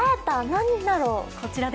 何だろう？